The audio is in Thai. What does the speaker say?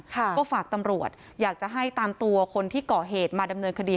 ก็ฝากตำรวจอยากจะให้ตามตัวคนที่ก่อเหตุมาดำเนินคดี